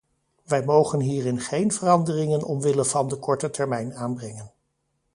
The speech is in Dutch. Wij mogen hierin geen veranderingen omwille van de korte termijn aanbrengen.